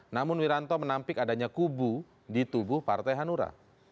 namun wiranto menampik adanya kubu di tubuh partai hanura